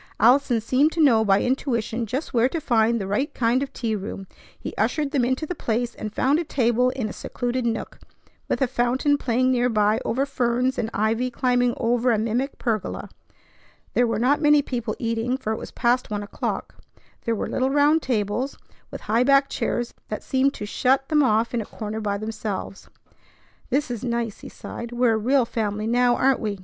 Allison seemed to know by intuition just where to find the right kind of tea room. He ushered them into the place, and found a table in a secluded nook, with a fountain playing nearby over ferns, and ivy climbing over a mimic pergola. There were not many people eating, for it was past one o'clock. There were little round tables with high backed chairs that seemed to shut them off in a corner by themselves. "This is nice!" he sighed. "We're a real family now, aren't we?"